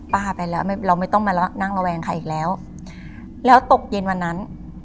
ไปแล้วเราไม่ต้องมานั่งระแวงใครอีกแล้วแล้วตกเย็นวันนั้น